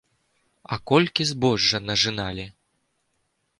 А колькі збожжа нажыналі!